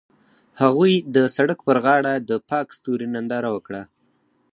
هغوی د سړک پر غاړه د پاک ستوري ننداره وکړه.